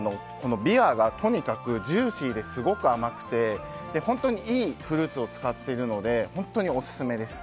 ビワがとにかくジューシーですごく甘くて本当にいいフルーツを使っているので本当にオススメです。